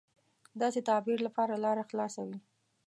داسې تعبیر لپاره لاره خلاصه وي.